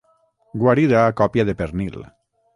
Guarida a còpia de pernil.